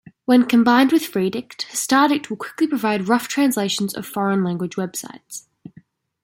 When combined with Freedict, StarDict will quickly provide rough translations of foreign language websites.